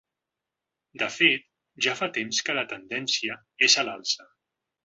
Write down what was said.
De fet, ja fa temps que la tendència és a l’alça.